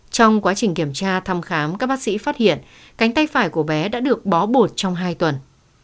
trong quá trình kiểm tra thăm khám các bác sĩ phát hiện cánh tay phải của bé đã được bó bột trong hai tuần